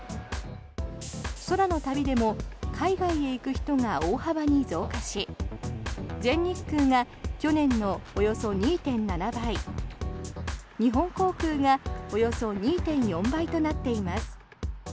空の旅でも海外へ行く人が大幅に増加し全日空が去年のおよそ２．７倍日本航空がおよそ２．４倍となっています。